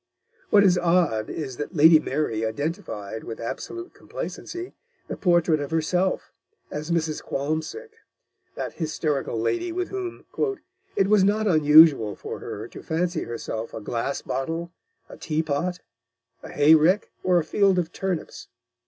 What is odd is that Lady Mary identified, with absolute complacency, the portrait of herself, as Mrs. Qualmsick, that hysterical lady with whom "it was not unusual for her to fancy herself a Glass bottle, a Tea pot, a Hay rick, or a Field of Turnips."